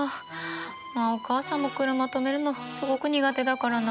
まあお母さんも車止めるのすごく苦手だからなあ。